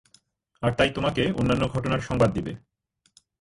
আর তাই তোমাকে অন্যান্য ঘটনার সংবাদ দিবে।